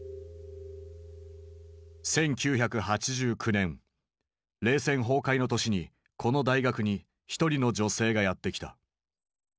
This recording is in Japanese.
１９８９年冷戦崩壊の年にこの大学に一人の女性がやって来た。